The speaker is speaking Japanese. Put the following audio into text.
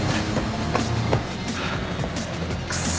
クソ。